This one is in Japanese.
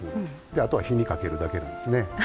あとは火にはかけるだけなんですね。